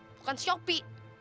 bukan si yopi